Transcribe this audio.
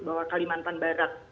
kalau kalimantan barat